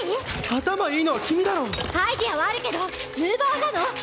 頭いいのは君だろアイデアはあるけど無謀なの！